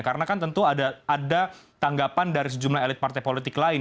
karena kan tentu ada tanggapan dari sejumlah elit partai politik lain